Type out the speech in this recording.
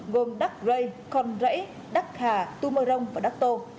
gồm đắc rây con rẫy đắc hà tum mơ rông và đắc tô